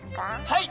はい！